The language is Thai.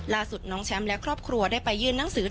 น้องแชมป์และครอบครัวได้ไปยื่นหนังสือ